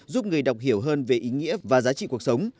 giúp người đọc hiểu hơn về ý nghĩa và giá trị cuộc sống